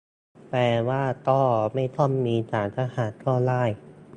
แปลว่าก็ไม่ต้องมีศาลทหารก็ได้ ?